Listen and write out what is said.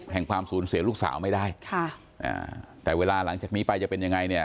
แห่งความสูญเสียลูกสาวไม่ได้แต่เวลาหลังจากนี้ไปจะเป็นยังไง